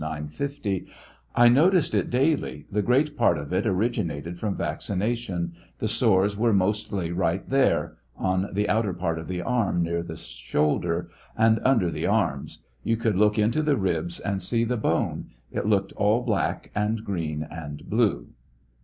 950 :) I noticed it daily; the great part of it originated from vaccination ; the sores were mostly right here, (on the outer part of the arm near the shoulder,) and under the arms ; you could look into the ribs and see the bone; it looked all black, and green, and blue.